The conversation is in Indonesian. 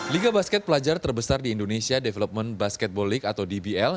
liga basket pelajar terbesar di indonesia development basketball league atau dbl